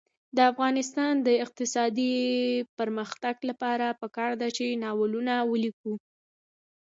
د افغانستان د اقتصادي پرمختګ لپاره پکار ده چې ناولونه ولیکو.